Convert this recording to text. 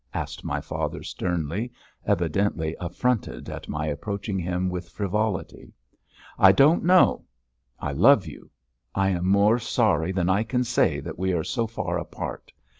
asked my father sternly, evidently affronted at my reproaching him with frivolity. "I don't know. I love you. I am more sorry than I can say that we are so far apart.